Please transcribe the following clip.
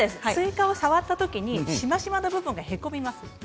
触ったときにしましまの部分がへこみます。